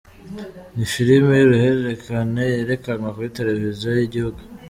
ni filime y’uruhererekane yerekanwa kuri Tereviziyo y’igihugu.